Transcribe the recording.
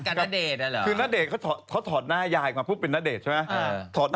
น่าจะเอาพี่หมดไปเป็นพิเศนเตอร์